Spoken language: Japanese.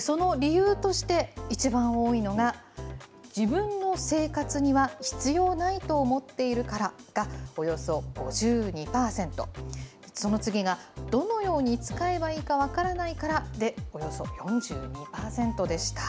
その理由として一番多いのが、自分の生活には必要ないと思っているからがおよそ５２％、その次が、どのように使えばいいか分からないからでおよそ４２％でした。